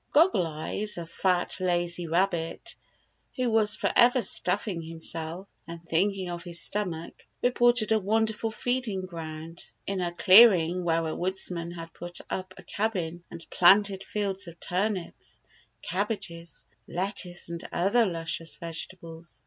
Goggle Eyes, a fat, lazy rabbit, who was for ever stuffing himself, and thinking of his stomach, reported a wonderful feeding ground in a clear ing where a woodsman had put up a cabin and planted fields of turnips, cabbages, lettuce and other luscious vegetables.